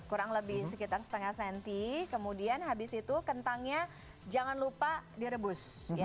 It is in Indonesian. kurang lebih sekitar setengah senti kemudian habis itu kentangnya jangan lupa direbus